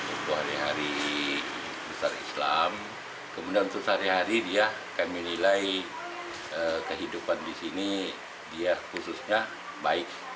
untuk hari hari besar islam kemudian untuk sehari hari dia kami nilai kehidupan di sini dia khususnya baik